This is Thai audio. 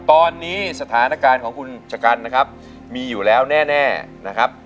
ตอนนี้สถานการณ์ของคุณชะกันนะครับมีอยู่แล้วแน่นะครับ